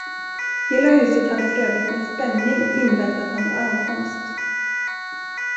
Hela huset hade för övrigt med spänning inväntat hans ankomst.